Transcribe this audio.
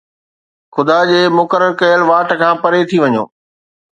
خدا جي مقرر ڪيل واٽ کان پري ٿي وڃو